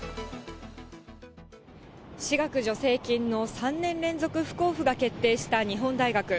私学助成金の３年連続不交付が決定した日本大学。